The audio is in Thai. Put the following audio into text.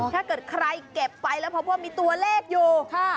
ถ้าเกิดใครเก็บไปแล้วพบว่ามีตัวเลขอยู่